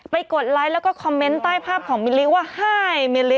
กดไลค์แล้วก็คอมเมนต์ใต้ภาพของมิลลิว่าไฮมิลลิ